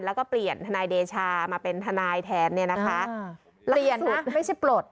แล้วก็เปลี่ยนทนายเดชามาเป็นทนายแทนเนี่ยนะคะเปลี่ยนนะไม่ใช่ปลด